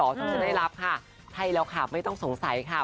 ฉันจะได้รับค่ะให้แล้วค่ะไม่ต้องสงสัยค่ะ